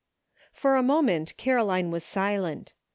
I li^OR a moment Caroline was silent.